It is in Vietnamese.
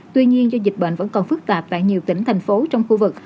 tuy nhiên do dịch bệnh vẫn còn phức tạp tại nhiều tỉnh thành phố trong khu vực